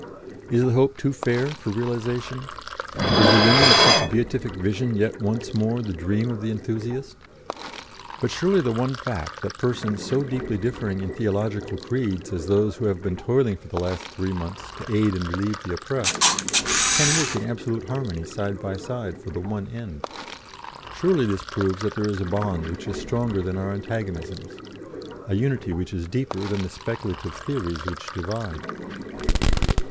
Is the hope too fair for realisation? Is the winning of such beatific vision yet once more the dream of the enthusiast? But surely the one fact that persons so deeply differing in theological creeds as those who have been toiling for the last three months to aid and relieve the oppressed, can work in absolute harmony side by side for the one end surely this proves that there is a bond which is stronger than our antagonisms, a unity which is deeper than the speculative theories which divide."